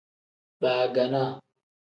Baaganaa.